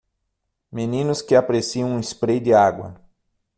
Meninos que apreciam um spray de água.